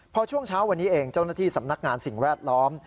พอช่วงเช้าวันนี้เองเจ้าหน้าที่สำนักงานสิ่งแวดล้อม